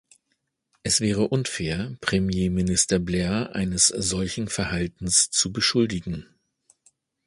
Es wäre unfair, Premierminister Blair eines solchen Verhaltens zu beschuldigen.